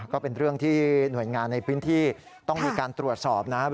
ก็เป็นเรื่องที่หน่วยงานในพื้นที่ต้องมีการตรวจสอบนะครับ